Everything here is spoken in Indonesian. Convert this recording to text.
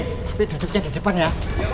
tapi duduknya di depan ya